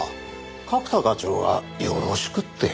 角田課長がよろしくってよ。